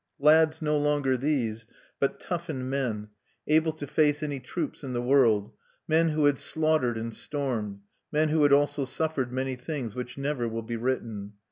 Lads no longer these, but toughened men, able to face any troops in the world; men who had slaughtered and stormed; men who had also suffered many things which never will be written.